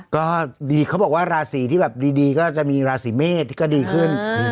ก็ดีเค้าบอกว่าราศรีที่ดีก็ได้มีราศรีเมฆดีขึ้น